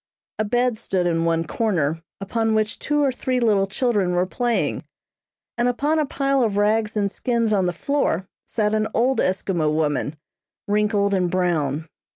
A bed stood in one corner, upon which two or three little children were playing, and upon a pile of rags and skins on the floor sat an old Eskimo woman, wrinkled and brown.